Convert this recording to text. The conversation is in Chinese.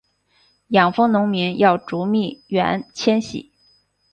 养蜂农民要逐蜜源迁徙